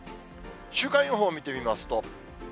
週間予報見てみますと。